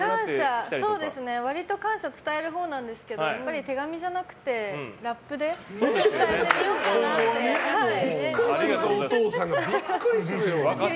割と感謝を伝えるほうなんですけどやっぱり手紙じゃなくてラップで伝えてみようかなって。